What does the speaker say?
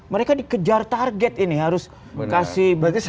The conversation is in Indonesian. mereka dikejar target ini harus kasih